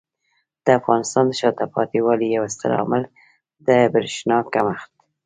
د افغانستان د شاته پاتې والي یو ستر عامل د برېښنا کمښت دی.